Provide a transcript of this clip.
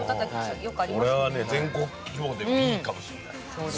これはね全国規模でもいいかもしれない。